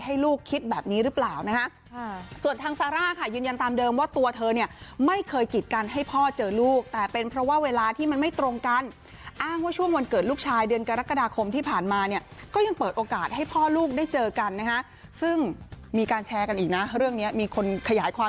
ลูกคิดแบบนี้หรือเปล่านะฮะส่วนทางซาร่าค่ะยืนยันตามเดิมว่าตัวเธอเนี่ยไม่เคยกิดกันให้พ่อเจอลูกแต่เป็นเพราะว่าเวลาที่มันไม่ตรงกันอ้างว่าช่วงวันเกิดลูกชายเดือนกรกฎาคมที่ผ่านมาเนี่ยก็ยังเปิดโอกาสให้พ่อลูกได้เจอกันนะฮะซึ่งมีการแชร์กันอีกนะเรื่องเนี้ยมีคนขยายความ